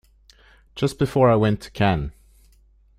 Just before I went to Cannes.